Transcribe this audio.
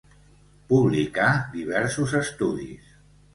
Publicà diversos estudis.